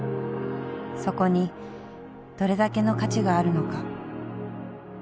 そこにどれだけの価値があるのか。